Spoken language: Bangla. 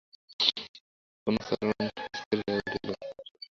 অনুচরগণ অস্থির হইয়া উঠিল।